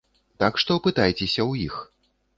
Так што пытайцеся ў іх.